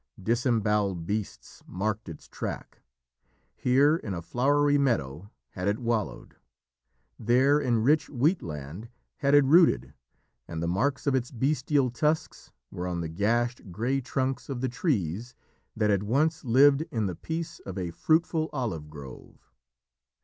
Disembowelled beasts marked its track. Here, in a flowery meadow, had it wallowed. There, in rich wheat land, had it routed, and the marks of its bestial tusks were on the gashed grey trunks of the trees that had once lived in the peace of a fruitful olive grove.